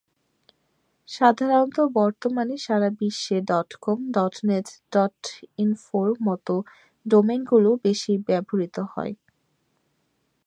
সাধারণত বর্তমানে সারা বিশ্বে ডটকম, ডটনেট, ডটইনফোর মতো ডোমেইনগুলো বেশি ব্যবহূত হয়।